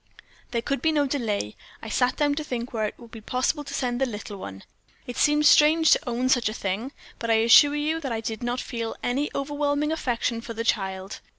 "There could be no delay. I sat down to think where it would be possible to send the little one. It seems strange to own such a thing, but I assure you that I did not feel any overwhelming affection for the child.